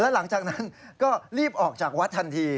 หลังจากนั้นก็รีบออกจากวัดทันที